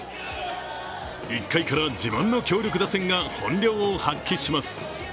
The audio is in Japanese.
１回から自慢の強力打線が本領を発揮します。